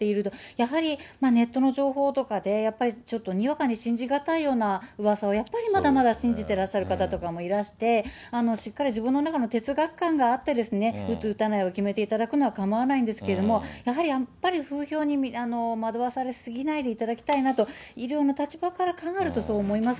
やはりネットの情報とかで、やっぱりちょっとにわかに信じがたいようなうわさをやっぱりまだまだ信じてらっしゃる方とかもいらして、しっかり自分の中の哲学観があって打つ、打たないを決めていただくのは構わないんですけれども、やっぱり風評に惑わされすぎないでいただきたいなと、医療の立場から考えると、そう思います